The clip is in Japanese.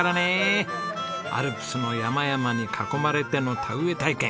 アルプスの山々に囲まれての田植え体験。